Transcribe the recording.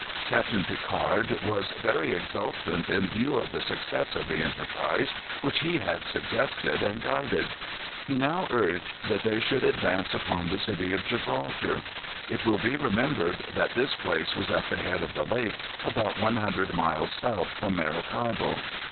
Captain Picard was very exultant in view of the success of the enterprise which he had suggested and guided. He now urged that they should advance upon the city of Gibraltar. It will be remembered that this place was at the head of the lake, about one hundred miles south from Maracaibo.